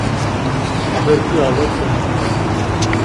அதற்கு அவர் சொன்னார்.